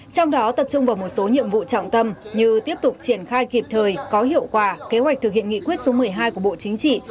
trong đó tập trung vào một số nhiệm vụ trọng tâm như tiếp tục triển khai kịp thời có hiệu quả kế hoạch thực hiện nghị quyết số một mươi hai của bộ chính trị